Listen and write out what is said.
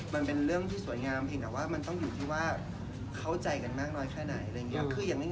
มันเป็นเรื่องที่สวยงามแต่มันต้องอยู่ที่ว่าเข้าใจกันมากน้อยแค่ไหน